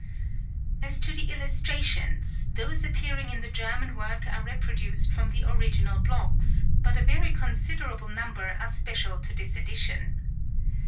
As to the illustrations, those appearing in the German work are re _ produced from the original blocks, but a very considerable number are special to this edition.